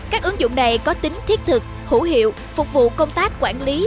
các ứng dụng này có tính thiết thực hữu hiệu phục vụ công tác quản lý